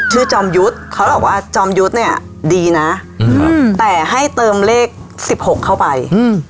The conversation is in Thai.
จอมยุทธ์เขาบอกว่าจอมยุทธ์เนี่ยดีนะอืมครับแต่ให้เติมเลขสิบหกเข้าไปอืม